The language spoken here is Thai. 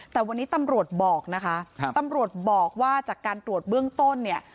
แต่วันนี้ตำรวจบอกว่าจากการตรวจเบื้องต้น